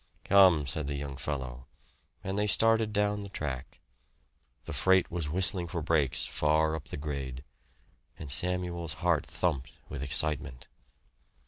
"Come," said the young fellow; and they started down the track. The freight was whistling for brakes, far up the grade. And Samuel's heart thumped with excitement.